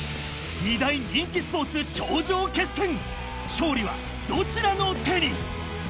勝利はどちらの手に？